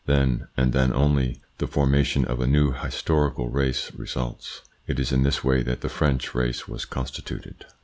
Then, and then only, the formation of a new historical race results. It is in this way that the French race was constituted.